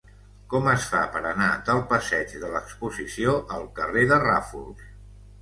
Com es fa per anar del passeig de l'Exposició al carrer de Ràfols?